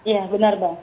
ya benar bang